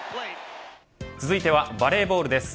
続いてはバレーボールです。